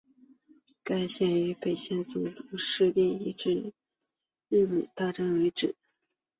该线与北总线共用设施直至印幡日本医大站为止。